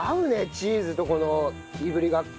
チーズとこのいぶりがっこ。